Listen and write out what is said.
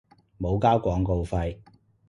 冇交廣告費